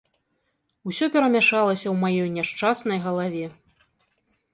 Усё перамяшалася ў маёй няшчаснай галаве.